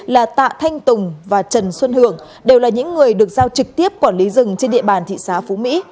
là tạ thanh tùng và trần xuân hưởng đều là những người được giao trực tiếp quản lý rừng trên địa bàn thị xã phú mỹ